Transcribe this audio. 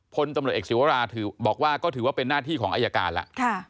พลตำรวจเอกศิวราถือบอกว่าก็ถือว่าเป็นหน้าที่ของอายการแล้ว